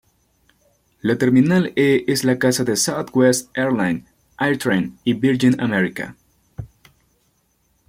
La terminal E es la casa de Southwest Airlines, AirTran y Virgin America.